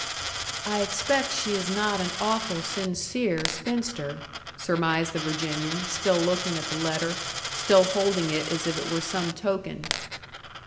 "I expect she is not an awful sincere spinster," surmised the Virginian, still looking at the letter, still holding it as if it were some token.